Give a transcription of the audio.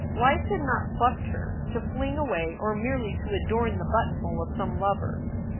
Life had not plucked her to fling away or merely to adorn the buttonhole of some lover.